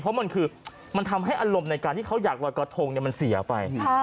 เพราะมันคือมันทำให้อารมณ์ในการที่เขาอยากลอยกระทงมันเสียไป